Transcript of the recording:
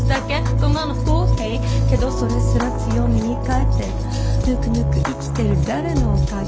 そんなの不公平けどそれすら強みに変えてるぬくぬく生きてる誰のおかげ？